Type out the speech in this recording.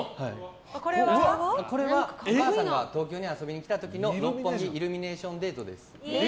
次は、お母さんが東京に遊びに来た時の六本木イルミネーションデートです。